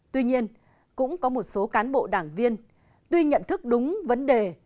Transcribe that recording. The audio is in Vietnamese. tuy nhiên cũng có một số cán bộ đảng viên tuy nhận thức đúng vấn đề